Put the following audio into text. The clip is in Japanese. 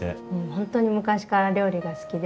本当に昔から料理が好きで。